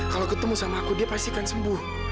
kalau ketemu sama aku dia pasti akan sembuh